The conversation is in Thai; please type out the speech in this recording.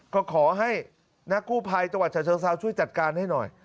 ก็ขอให้นักกู้ภัยตะวัดชาวเชิงสาวช่วยจัดการให้หน่อย